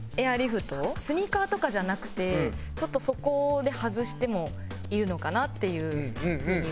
スニーカーとかじゃなくてちょっとそこでハズしてもいるのかなっていう風には感じました。